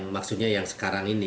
maksudnya yang sekarang ini